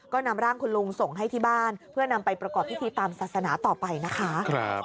ก็นำร่างคุณลุงส่งให้ที่บ้านเพื่อนำไปประกอบพิธีตามศาสนาต่อไปนะคะ